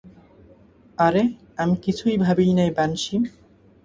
আরে আমি কিছু ভাবিই নাই, বানশি!